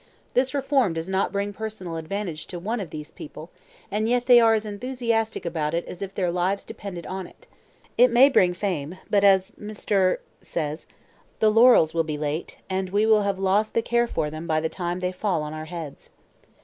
This reform does not bring personal advantage to one of these people, and yet they are as enthusiastic about it as if their lives depended on it. It may bring fame; but, as M. says, 'The laurels will be late, and we will have lost the care for them by the time they fall on our heads.'